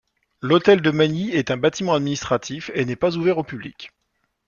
L'hôtel de Magny est un bâtiment administratif et n'est pas ouvert au public.